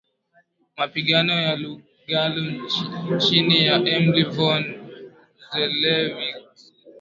Mapigano ya Lugalo chini ya Emil von Zelewski